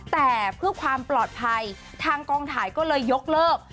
แต่เพื่อความปลอดภัยทางกองถ่ายก็เลยยกเลิก